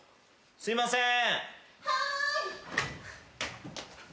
すいません。